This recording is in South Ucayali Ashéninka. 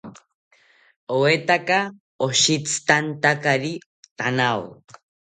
¿Oetaka oshitzitantakari thanao?